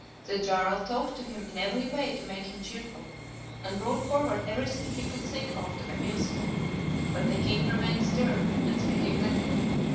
The Jarl talked to him in every way to make him cheerful, and brought forward everything he could think of to amuse him; but the King remained stern, and speaking little.